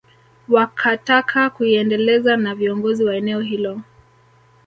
Wakataka kuiendeleza na viongozi wa eneo hilo